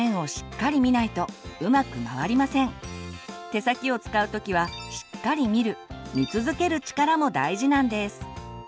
手先を使う時はしっかり見る見続ける力も大事なんです。